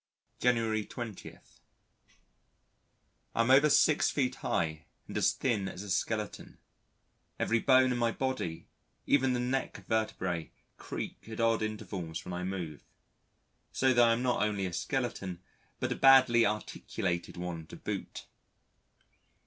January 20. I am over 6 feet high and as thin as a skeleton; every bone in my body, even the neck vertebrae, creak at odd intervals when I move. So that I am not only a skeleton but a badly articulated one to boot.